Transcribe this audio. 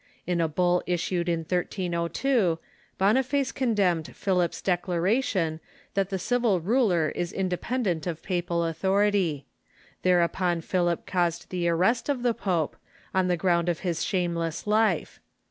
In a bull issued in 1302, Boniface condemned Philip's declaration that the civil ruler is independent of papal authority. Thereupon Philip caused the arrest of the pope, on the ground of his shameless life.